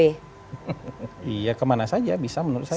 iya kemana saja bisa menurut saya